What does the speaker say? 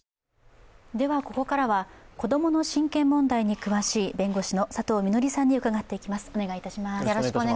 ここからは子供の親権問題に詳しい弁護士の佐藤みのりさんに伺っていきます。